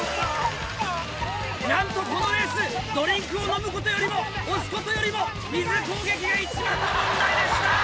なんとこのレースドリンクを飲むことよりも押すことよりも水攻撃が一番の問題でした！